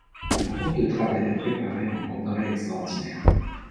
Un groupe de travail a préparé un congrès extraordinaire.